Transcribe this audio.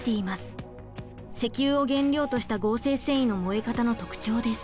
石油を原料とした合成繊維の燃え方の特徴です。